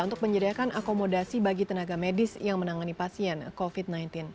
untuk menyediakan akomodasi bagi tenaga medis yang menangani pasien covid sembilan belas